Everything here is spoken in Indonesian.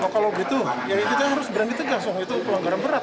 kalau begitu kita harus berani tegang soalnya itu pelanggaran berat